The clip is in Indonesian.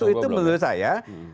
satu itu menurut saya